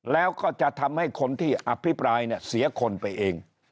แล้วก็จะทำให้คนที่อภิปรายเนี่ยเสียคนไปเอง